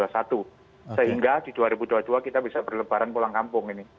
sehingga di dua ribu dua puluh dua kita bisa berlebaran pulang kampung ini